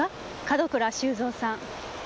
門倉修三さん。